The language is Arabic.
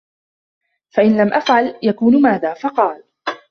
فَإِنْ لَمْ أَفْعَلْ يَكُونُ مَاذَا ؟ فَقَالَ